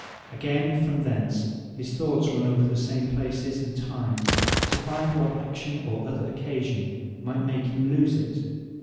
Again, from thence, his thoughts run over the same places and times, to find what action, or other occasion might make him lose it.